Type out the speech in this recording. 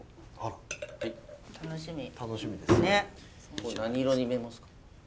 これ何色に見えますか？